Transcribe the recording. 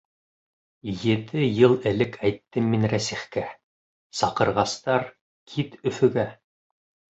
Ете йыл элек әйттем мин Рәсихкә: саҡырғастар, кит Өфөгә!